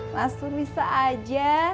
mas pur bisa aja